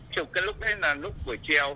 chụp cái lúc đấy là lúc buổi chiều